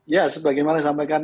ya sebagaimana sampaikan